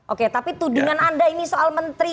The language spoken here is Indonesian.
oke tapi tuh dengan anda ini soal menteri